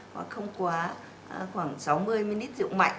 hoặc không quá khoảng sáu mươi ml rượu mạnh